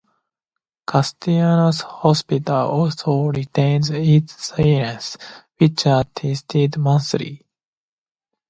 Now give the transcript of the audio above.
Carstairs Hospital also retains its sirens, which are tested monthly.